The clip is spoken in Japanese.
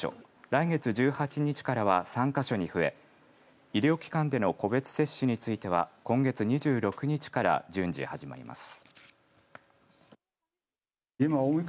来月１８日からは３か所に増え医療機関での個別接種については今月２６日から順次始まります。